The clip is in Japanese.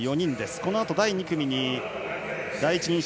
このあと第２組に第一人者。